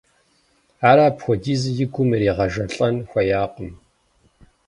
Ар апхуэдизу и гум иригъэжэлӏэн хуеякъым.